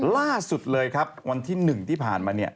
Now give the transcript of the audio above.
ล่าสุดเลยครับวันที่๑ที่ผ่านมา